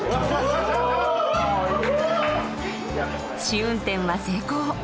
試運転は成功。